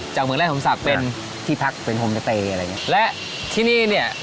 เมืองแรกผมศักดิ์เป็นที่พักเป็นโฮมสเตย์อะไรอย่างเงี้ยและที่นี่เนี่ย